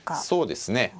そうですね